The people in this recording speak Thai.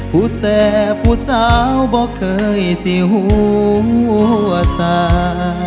ผู้แสบผู้สาวบอกเคยสิหัวสา